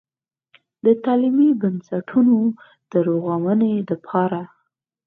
د تعليمي بنسټونو د رغونې دپاره